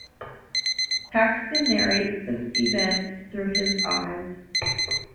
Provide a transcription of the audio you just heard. Paxton narrates the event through his eyes.